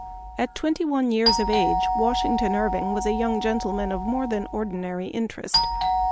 AT twenty one years of age Washington Irving was a young gentleman of more than ordinary interest.